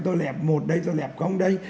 tôi lẹp một đây tôi lẹp không đây